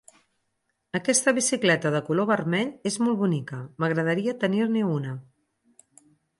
Aquesta bicicleta de color vermell és molt bonica, m'agradaria tenir-ne una.